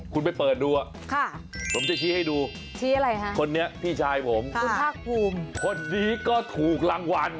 คุณไปเปิดดูอ่ะผมจะชี้ให้ดูคนนี้พี่ชายผมคนนี้ก็ถูกรางวัล